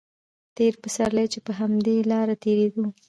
تېر پسرلی چې په همدې لاره تېرېدو.